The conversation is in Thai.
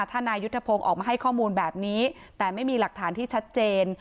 ถ้านายยุทธพงศ์ออกมาให้ข้อมูลแบบนี้แต่ไม่มีหลักฐานที่ชัดเจน